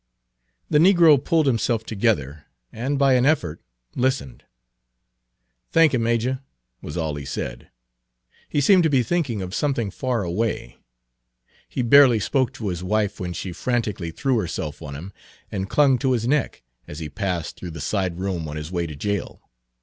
The negro pulled himself together, and by an effort listened. "Thanky, Majah," was all he said. He seemed to be thinking of something far away. Page 308 He barely spoke to his wife when she frantically threw herself on him, and clung to his neck, as he passed through the side room on his way to jail.